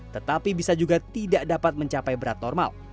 tetapi bisa juga tidak dapat mencapai berat normal